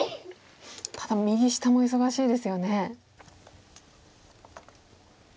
ただ右下も忙しいですよね。